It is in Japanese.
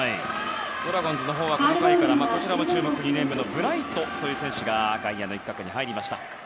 ドラゴンズのほうはこの回からこちらも注目のブライトという選手が外野の一角に入りました。